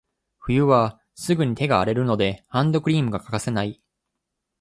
冬はすぐに手が荒れるので、ハンドクリームが欠かせない。